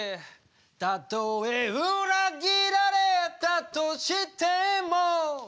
「たとえ裏切られたとしても」